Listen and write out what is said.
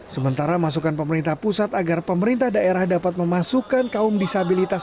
sementara masukan pemerintah pusat agar pemerintah daerah dapat memasukkan kaum disabilitas